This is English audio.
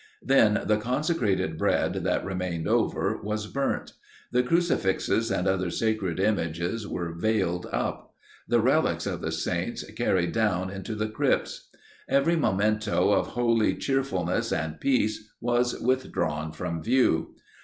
Then the consecrated bread, that remained over, was burnt; the crucifixes and other sacred images were veiled up; the relics of the saints carried down into the crypts. Every memento of holy cheerfulness and peace was withdrawn from view.